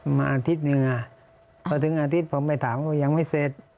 อาทิตย์หนึ่งพอถึงอาทิตย์ผมไปถามก็ยังไม่เสร็จ